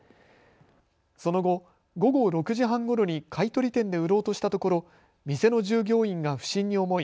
その後、午後６時半ごろに買取店で売ろうとしたところ店の従業員が不審に思い